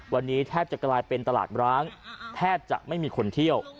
วันนี้แทบจะกลายเป็นตลาดร้างแทบจะไม่มีคนเที่ยว